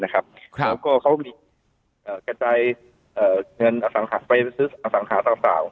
ครับแล้วก็เขามีเอ่อการใจเอ่อเงินอสังหาศาสตร์ไปซื้ออสังหาศาสตร์ต่าง